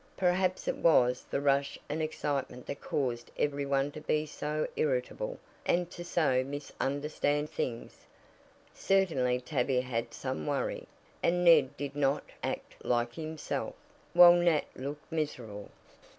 Perhaps it was the rush and excitement that caused every one to be so irritable and to so misunderstand things. Certainly Tavia had some worry, and Ned did not act like himself, while Nat looked miserable.